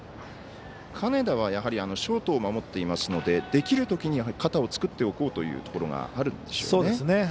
金田は、ショートを守っていますのでできるときに肩を作っておこうというところがあるでしょうかね。